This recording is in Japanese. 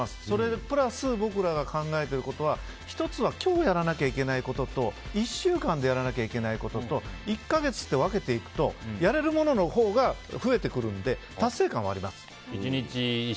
それプラス僕らが考えていることは１つは今日やらなきゃいけないことと１週間でやらなきゃいけないことと１か月って分けていくとやれるもののほうが増えてくるので達成感はあります。